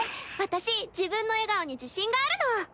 私自分の笑顔に自信があるの。